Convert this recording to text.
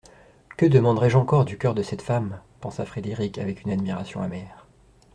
«Que demanderai-je encore du cœur de cette femme ?» pensa Frederick avec une admiration amère.